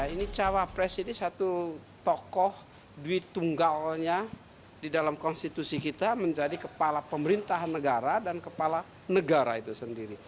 ini cawapres ini satu tokoh duit tunggalnya di dalam konstitusi kita menjadi kepala pemerintahan negara dan kepala negara itu sendiri